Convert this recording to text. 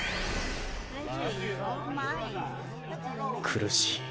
・苦しい。